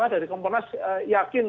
dari kompornas yakin